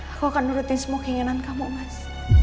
aku akan nurutin semua keinginan kamu mas